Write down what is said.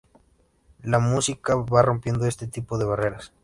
La música va rompiendo ese tipo de barreras".